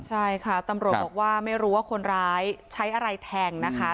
ใช่ค่ะตำรวจบอกว่าไม่รู้ว่าคนร้ายใช้อะไรแทงนะคะ